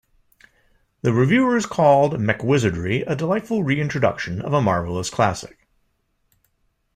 The reviewers called MacWizardry a delightful reintroduction of a marvelous classic.